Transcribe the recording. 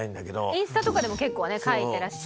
インスタとかでも結構ね書いてらして。